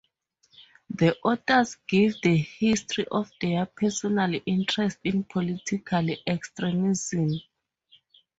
The authors give the history of their personal interest in political extremism.